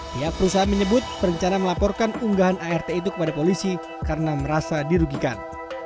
pihak perusahaan menyebut perencana melaporkan unggahan art itu kepada polisi karena merasa dirugikan